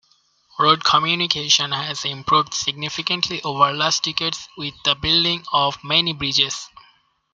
Road communication has improved significantly over last decades with the building of many bridges.